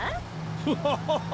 フハハハ！